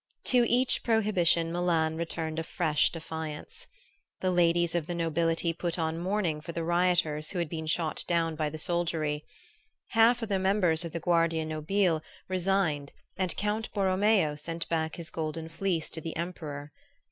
To each prohibition Milan returned a fresh defiance. The ladies of the nobility put on mourning for the rioters who had been shot down by the soldiery. Half the members of the Guardia Nobile resigned and Count Borromeo sent back his Golden Fleece to the Emperor.